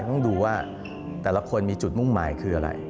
ต้องดูว่าแต่ละคนมีจุดมุ่งหมายคืออะไร